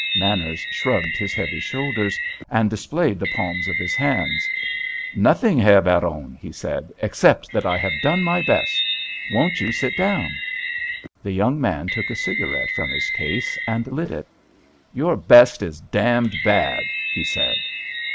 Manners shrugged his heavy shoulders, and displayed the palms of his hands. "Nothing, Herr Baron," he said, "except that I have done my best. Won't you sit down?" The young man took a cigarette from his case, and lit it. "Your best is damned bad!" he said.